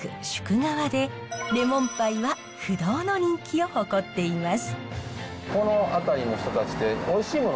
夙川でレモンパイは不動の人気を誇っています。